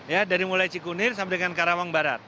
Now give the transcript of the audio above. ya dari mulai cikunir sampai dengan karawang barat